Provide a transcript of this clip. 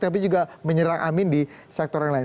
tapi juga menyerang amin di sektor yang lain